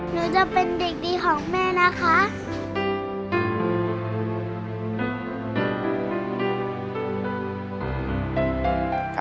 หนูจะเป็นเด็กดีของแม่นะคะ